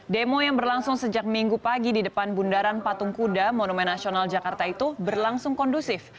demo yang berlangsung sejak minggu pagi di depan bundaran patung kuda monumen nasional jakarta itu berlangsung kondusif